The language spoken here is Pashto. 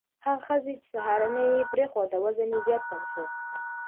هغه ښځې چې سهارنۍ پرېښوده، وزن یې زیات کم شو.